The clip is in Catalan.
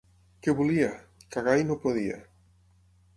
Què volia? —Cagar, i no podia.